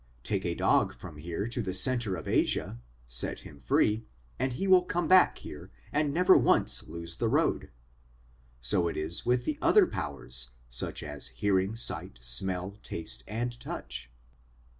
Take a dog from here to the centre of Asia, set him free, and he will come back here and never once lose the road. So it is with the other powers such as hearing, sight, smell, taste, and touch.